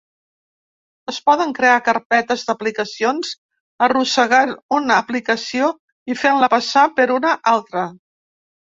Es poden crear carpetes d'aplicacions arrossegant una aplicació i fent-la passar per una altra.